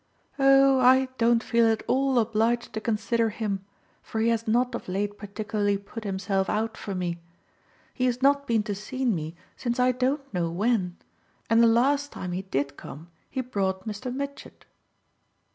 "Oh I don't feel at all obliged to consider him, for he has not of late particularly put himself out for me. He has not been to see me since I don't know when, and the last time he did come he brought Mr. Mitchett."